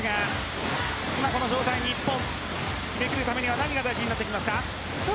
この状態、日本決めきるためには何が大事になってきますか。